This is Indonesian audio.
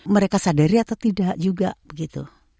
mereka sadari atau tidak juga gitu